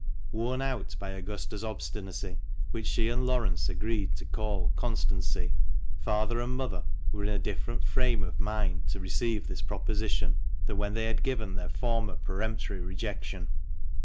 Worn out by Augusta's obstinacy, which she and Laurence agreed to call "constancy," father and mother were in a different frame of mind to receive this proposition than when they had given their former peremptory rejection.